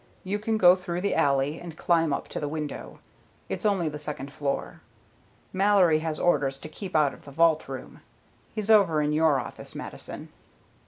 You can go through the alley and climb up to the window it's only the second floor. Mallory has orders to keep out of the vault room. He's over in your office, Mattison."